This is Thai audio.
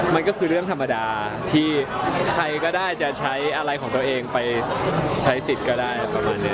มันก็คือเรื่องธรรมดาที่ใครก็ได้จะใช้อะไรของตัวเองไปใช้สิทธิ์ก็ได้ประมาณนี้